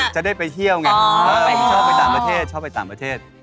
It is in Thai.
จะได้ไปเที่ยวไงชอบไปต่างประเทศ